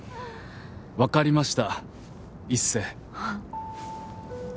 わかりました一星。